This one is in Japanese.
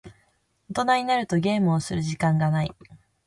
大人になるとゲームをする時間がない。